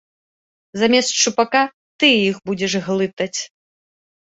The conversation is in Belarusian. Замест шчупака ты іх будзеш глытаць.